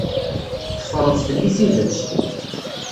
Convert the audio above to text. Teffreḍ fell-i tidet.